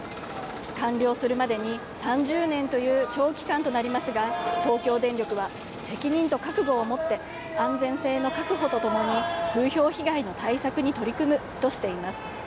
完了するまでに３０年という長期間となりますが東京電力は責任と覚悟を持って安全性の確保とともに風評被害の対策に取り組むとしています